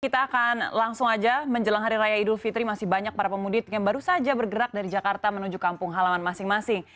kita akan langsung aja menjelang hari raya idul fitri masih banyak para pemudik yang baru saja bergerak dari jakarta menuju kampung halaman masing masing